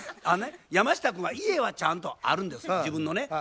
あのね山下君は家はちゃんとあるんです自分のね。